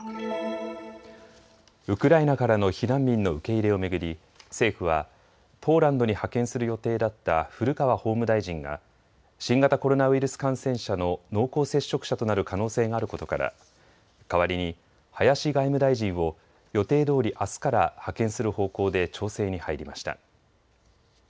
ウクライナからの避難民の受け入れを巡り政府はポーランドに派遣する予定だった古川法務大臣が新型コロナウイルス感染者の濃厚接触者となる可能性があることから代わりに林外務大臣を予定どおり、あすから派遣する方向で調整に入りました。